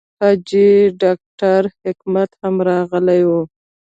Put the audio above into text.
حاجي ډاکټر حکمت هم راغلی و.